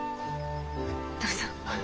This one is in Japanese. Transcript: どうぞ。